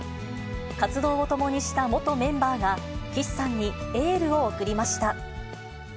活動を共にした元メンバーが、岸さんにエールを送りました。